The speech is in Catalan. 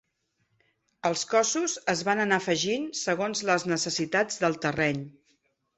Els cossos es van anar afegint segons les necessitats del terreny.